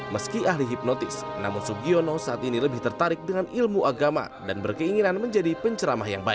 meski ahli hipnotis namun sugiono saat ini lebih tertarik dengan ilmu agama dan berkeinginan menjadi penceramah yang baik